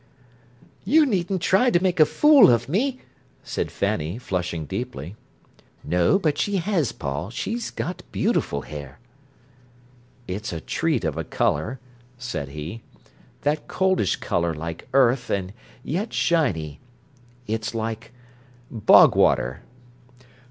"You needn't try to make a fool of me," said Fanny, flushing deeply. "No, but she has, Paul; she's got beautiful hair." "It's a treat of a colour," said he. "That coldish colour like earth, and yet shiny. It's like bog water."